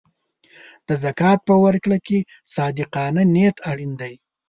د زکات په ورکړه کې صادقانه نیت اړین دی.